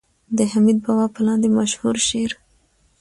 د حميد بابا په لاندې مشهور شعر